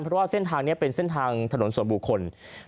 เพราะว่าเส้นทางนี้เป็นเส้นทางถนนส่วนบุคคล